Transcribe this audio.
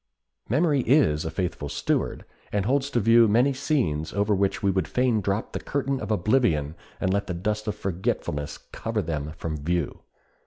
Memory is a faithful steward, and holds to view many scenes over which we would fain drop the curtain of oblivion and let the dust of forgetfulness cover them from view.